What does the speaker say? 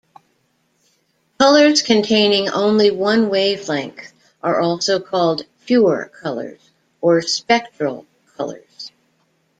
Colors containing only one wavelength are also called pure colors or spectral colors.